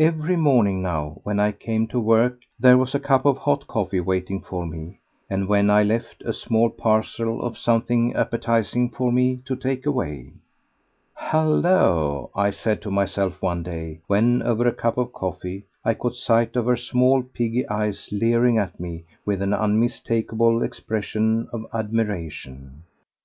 Every morning now, when I came to work, there was a cup of hot coffee waiting for me, and, when I left, a small parcel of something appetizing for me to take away. "Hallo!" I said to myself one day, when, over a cup of coffee, I caught sight of her small, piggy eyes leering at me with an unmistakable expression of admiration.